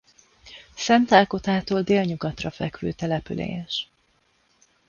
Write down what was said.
Szentágotától délnyugatra fekvő település.